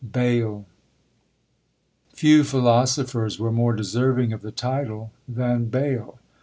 BAYLE. Few philosophers were more deserving of the title than, Bayle.